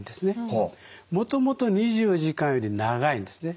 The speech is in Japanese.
もともと２４時間より長いんですね。